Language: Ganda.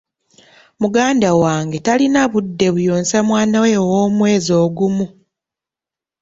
Muganda wange talina budde buyonsa mwana we ow'omwezi ogumu.